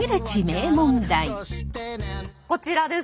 こちらです。